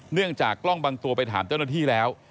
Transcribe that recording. จากกล้องบางตัวไปถามเจ้าหน้าที่แล้ว